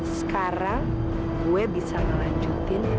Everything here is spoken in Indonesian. sekarang gue bisa melanjutin